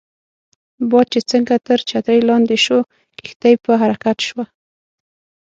باد چې څنګه تر چترۍ لاندې شو، کښتۍ په حرکت شوه.